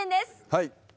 はい。